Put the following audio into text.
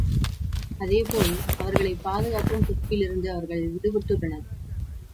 அதேபோல் அவர்களைப் பாதுகாக்கும் பொறுப்பிலிருந்து அவர்கள் விடுபட்டு உள்ளனர்.